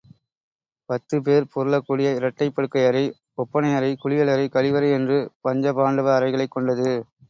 பத்துபேர் புரளக்கூடிய இரட்டைப் படுக்கை அறை, ஒப்பனை அறை, குளியலறை, கழிவறை என்று பஞ்சபாண்டவ அறைகளைக் கொண்டது.